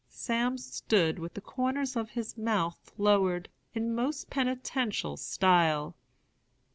"Sam stood with the corners of his mouth lowered, in most penitential style.